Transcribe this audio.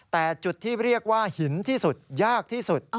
แต่จุดที่เรียกว่าหินที่สุดยากที่สุด